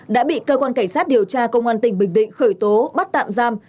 đã bị cơ quan cảnh sát điều tra công an tỉnh bình định khởi tố bắt tạm giam